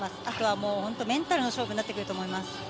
あとはもう、本当、メンタルの勝負になってくると思います。